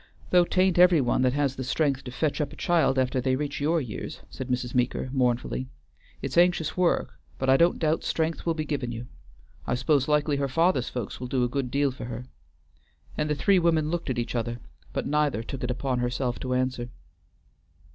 "Though 't ain't every one that has the strength to fetch up a child after they reach your years," said Mrs. Meeker, mournfully. "It's anxious work, but I don't doubt strength will be given you. I s'pose likely her father's folks will do a good deal for her," and the three women looked at each other, but neither took it upon herself to answer.